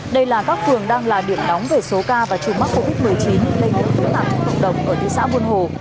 đây là các phường đang là điểm nóng về số ca và chùm mắc covid một mươi chín lây nhiễm phức tạp trong cộng đồng ở thị xã buôn hồ